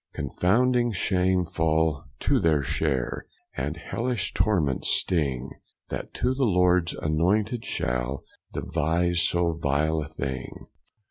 Confounding shame fall to their share, And hellish torments sting, That to the Lords annointed shall Devise so vile a thing.